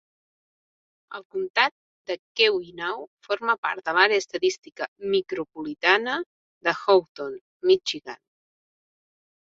El comtat de Keweenaw forma part de l'àrea estadística micropolitana de Houghton, Michigan.